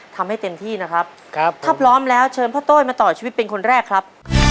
ถ้าพร้อมแล้วเชิญพ่อโต๊ยมาต่อชีวิตเป็นคนแรกครับ